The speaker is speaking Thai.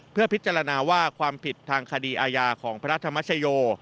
เพื่อพิจารณาว่าความผิดทางคดีอาญาของพระธรรมชโย